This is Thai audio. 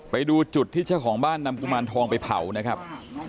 ไปดูจุดที่เจ้าของบ้านนำกุมารทองไปเผานะครับ